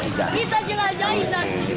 kita juga jahit